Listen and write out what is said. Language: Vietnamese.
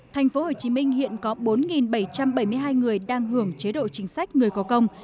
tp hcm hiện có bốn bảy trăm bảy mươi hai người đang hưởng chế độ chính sách người có công